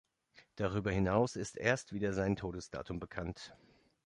Darüber hinaus ist erst wieder sein Todesdatum bekannt.